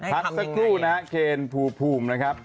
พักสักครู่นะฮะเคนภูมินะครับ